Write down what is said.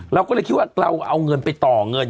เราก็เลยคิดว่าเราเอาเงินไปต่อเงิน